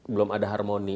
belum ada harmoni